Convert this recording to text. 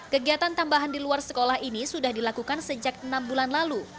kegiatan tambahan di luar sekolah ini sudah dilakukan sejak enam bulan lalu